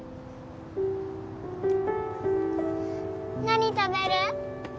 何食べる？